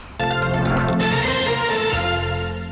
สวัสดีครับ